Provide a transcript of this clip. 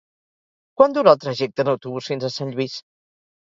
Quant dura el trajecte en autobús fins a Sant Lluís?